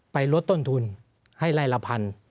ลดต้นทุนให้ไล่ละพัน